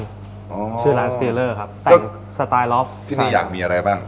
ชื่อร้านสเตีเลอร์ครับแต่งสไตล์ล็อปที่นี่อยากมีอะไรบ้าง